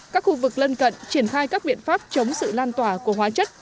các khu vực lân cận triển khai các biện pháp chống sự lan tỏa của hóa chất